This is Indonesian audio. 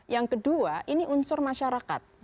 yang kedua ini unsur masyarakat